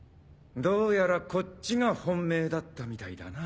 どうやらこっちが本命だったみたいだな。